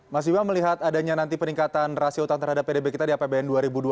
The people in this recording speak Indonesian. mas iba melihat adanya nanti peningkatan rasio utang terhadap pdb kita di apbn dua ribu dua puluh